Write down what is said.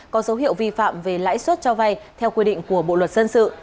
có dấu hiệu vi phạm về lãi suất cho vay theo quy định của bộ luật dân sự